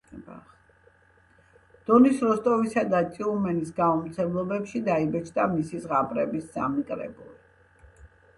დონის როსტოვისა და ტიუმენის გამომცემლობებში დაიბეჭდა მისი ზღაპრების სამი კრებული.